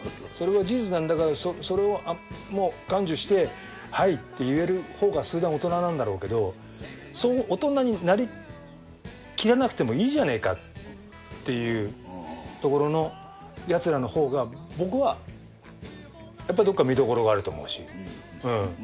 それは事実なんだからそれを甘受してはいって言えるほうが数段大人なんだろうけどそう大人になりきらなくてもいいじゃねえかっていうところのヤツらのほうが僕はやっぱどっか見どころがあると思うし。